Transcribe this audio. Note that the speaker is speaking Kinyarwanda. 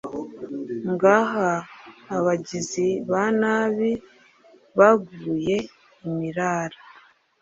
ngaha abagizi ba nabi baguye imirara